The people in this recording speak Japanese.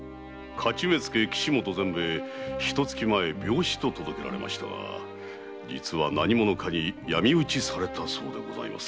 徒目付・岸本善兵衛病死と届けられましたが実は何者かに闇討ちされたそうでございます。